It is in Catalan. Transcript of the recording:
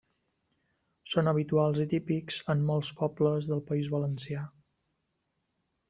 Són habituals i típics en molts pobles del País Valencià.